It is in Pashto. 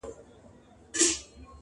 په سلگونو یې کورونه وه لوټلي٫